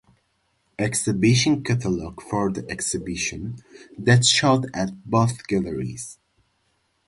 Exhibition catalogue for the exhibition that showed at both galleries.